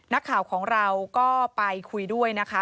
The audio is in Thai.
นักข่าวของเราก็ไปคุยด้วยนะคะ